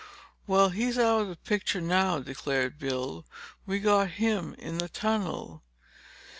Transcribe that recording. "Well, he's out of the picture, now," declared Bill. "We got him in the tunnel."